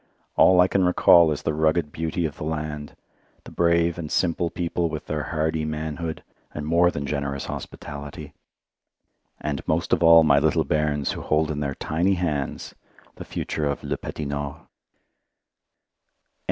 All I can recall is the rugged beauty of the land, the brave and simple people with their hardy manhood and more than generous hospitality, and most of all my little bairns who hold in their tiny hands the future of Le Petit Nord.